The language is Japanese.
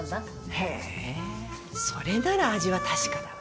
へぇそれなら味は確かだわ。